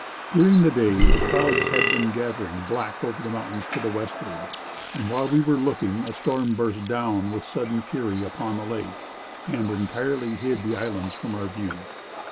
During the day the clouds had been gathering black over the mountains to the westward, and while we were looking a storm burst down with sudden fury upon the lake, and entirely hid the islands from our view.